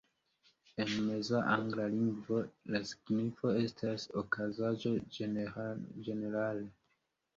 En Meza angla lingvo, la signifo estis "okazaĵo" ĝenerale.